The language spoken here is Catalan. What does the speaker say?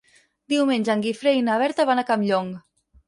Diumenge en Guifré i na Berta van a Campllong.